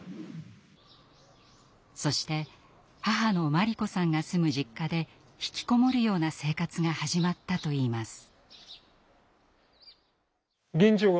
そして母の真理子さんが住む実家で引きこもるような生活が始まったといいます。